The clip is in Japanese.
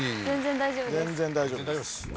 全然大丈夫っす。